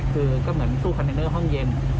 คือก็เหมือนตู้คอนเทนเนอร์ห้องเย็น